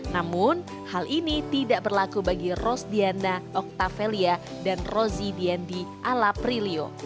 namun hal ini tidak berlaku bagi ros diana octavellia dan rosie dian di ala prilio